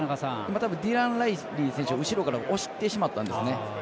たぶんディラン・ライリー選手を後ろから押してしまったんです。